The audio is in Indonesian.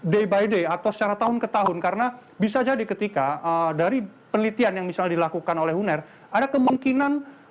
day by day atau secara tahun ke tahun karena bisa jadi ketika dari penelitian yang misalnya dilakukan oleh uner ada kemungkinan